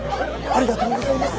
ありがとうございます。